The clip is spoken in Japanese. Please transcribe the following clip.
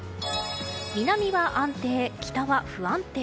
南は安定、北は不安定。